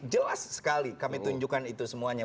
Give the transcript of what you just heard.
jelas sekali kami tunjukkan itu semuanya